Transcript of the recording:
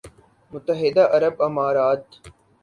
متحدہ عرب امارات